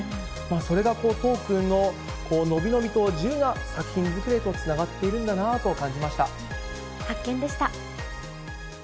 それが、都央君の伸び伸びと自由な作品作りへとつながっているんだなと感